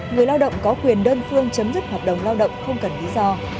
người lao động có quyền đơn phương chấm dứt hợp đồng lao động không cần lý do